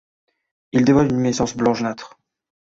Ils dévoilent une luminescence blanc jaunâtre.